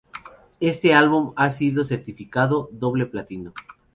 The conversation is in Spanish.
Este álbum ha sido certificado "Doble Platino".